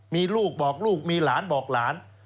มีลูกบอกลูกมีหลานบอกหลาน